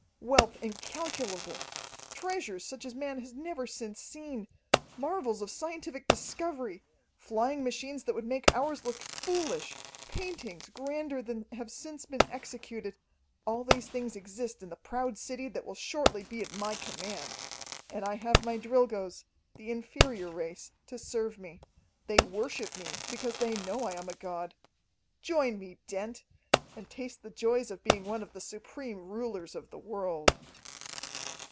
"Wealth incalculable, treasures such as man has never since seen, marvels of scientific discovery, flying machines that would make ours look foolish, paintings grander than have since been executed all these things exist in the proud city that will shortly be at my command. And I have my Drilgoes, the inferior race, to serve me. They worship me because they know I am a god. Join me, Dent, and taste the joys of being one of the supreme rulers of the world."